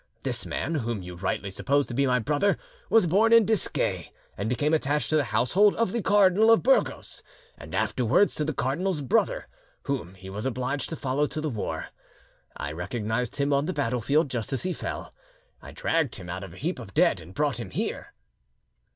This man, whom you rightly suppose to be my brother, was born in Biscay, and became attached to the household of the Cardinal of Burgos, and afterwards to the cardinal's brother, whom he was obliged to follow to the war. I recognised him on the battle field just as he fell; I dragged him out of a heap of dead, and brought him here."